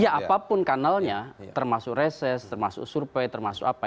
ya apapun kanalnya termasuk reses termasuk survei termasuk apa